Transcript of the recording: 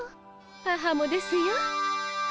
母もですよ。